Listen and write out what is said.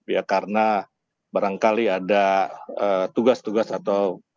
ya karena barangkali ada tugas tugas atau